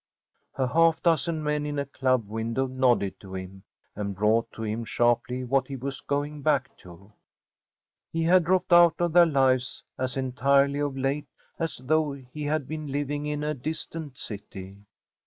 A half dozen men in a club window nodded to him, and brought to him sharply what he was going back to. He had dropped out of their lives as entirely of late as though he had been living in a distant city.